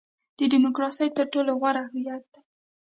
ډیموکراسي تر ټولو غوره هویت دی.